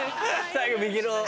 最後右の。